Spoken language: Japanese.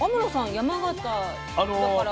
山形だから。